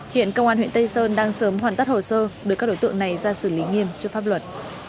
hiện công an huyện tây sơn đang sớm hoàn tất hồ sơ đưa các đối tượng này ra xử lý nghiêm trước pháp luật